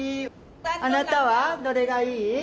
あなたはどれがいい？